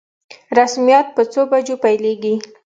رسميات په څو بجو پیلیږي؟